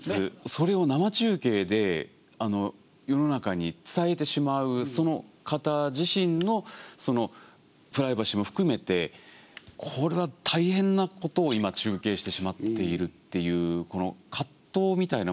それを生中継で世の中に伝えてしまうその方自身のプライバシーも含めてこれは大変なことを今中継してしまっているっていう葛藤みたいなものは何か覚えています。